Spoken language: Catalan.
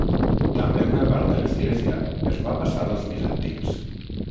També una part de l'església es va passar als bizantins.